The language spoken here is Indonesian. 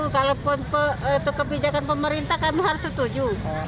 kalau kebijakan pemerintah kami harus setuju